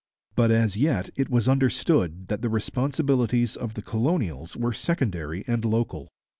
But as yet it was understood that the responsibilities of the colonies were secondary and local.